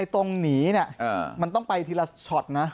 ตรงหนีมันต้องไปทีละช็อตนะ